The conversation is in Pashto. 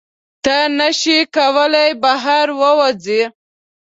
ته نشې کولی بهر ووځې.